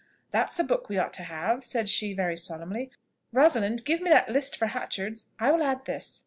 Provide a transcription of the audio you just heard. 'That's a book we ought to have,' said she very solemnly; 'Rosalind, give me that list for Hatchard's, I will add this.'